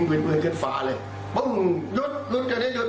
ประชานดีกว่าเล่มพี่เดียว